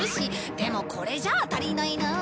でもこれじゃあ足りないなあ。